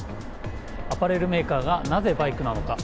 アパレルメーカーがなぜバイクなのか。